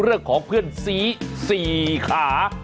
เรื่องของเพื่อนซี๔ขา